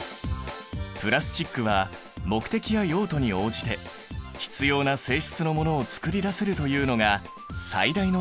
プラスチックは目的や用途に応じて必要な性質なものをつくり出せるというのが最大の特徴だ。